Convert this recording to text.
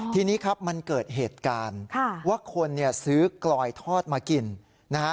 ทีนี้ครับมันเกิดเหตุการณ์ว่าคนเนี่ยซื้อกลอยทอดมากินนะฮะ